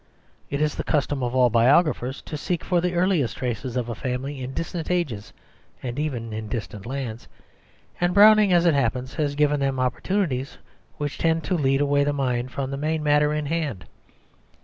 It is the custom of all biographers to seek for the earliest traces of a family in distant ages and even in distant lands; and Browning, as it happens, has given them opportunities which tend to lead away the mind from the main matter in hand.